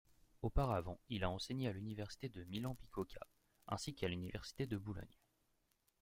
Auparavant, il a enseigné à l'Université de Milan-Bicocca ainsi qu'à l'Université de Bologne.